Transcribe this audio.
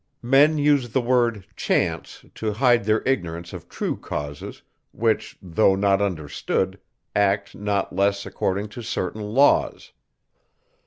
Men use the word chance to hide their ignorance of true causes, which, though not understood, act not less according to certain laws.